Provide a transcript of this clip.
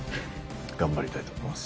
頑張りたいと思います。